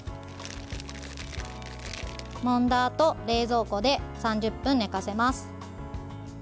もんだあと冷蔵庫で３０分寝かせます。